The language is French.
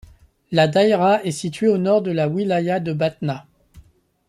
La daïra est située au nord de la wilaya de Batna.